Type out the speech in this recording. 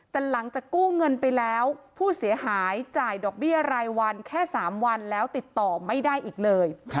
แต่หลังจากกู้เงินไปแล้วผู้เสียหายจ่ายดอกเบี้ยรายวันแค่๓วันแล้วติดต่อไม่ได้อีกเลย